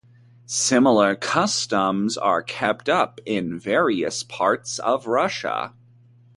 Similar customs are kept up in various parts of Russia.